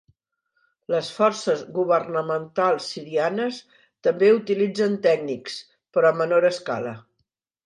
Les forces governamentals sirianes també utilitzen tècnics, però a menor escala.